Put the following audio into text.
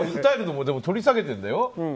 でも取り下げてるんだよ。